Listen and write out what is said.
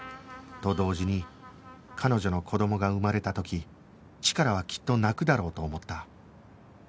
と同時に彼女の子供が生まれた時チカラはきっと泣くだろうと思った